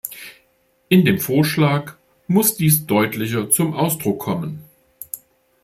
In dem Vorschlag muss dies deutlicher zum Ausdruck kommen.